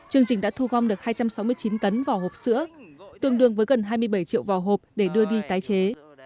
chương trình đã thu gom được hai trăm sáu mươi chín tấn vỏ hộp sữa tương đương với gần hai mươi bảy triệu vỏ hộp để đưa đi tái chế